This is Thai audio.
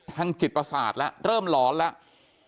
ทางจิตประสาทแล้วเริ่มหลอนแล้ว